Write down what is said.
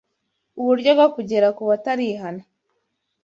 uburyo bwo kugera ku batarihana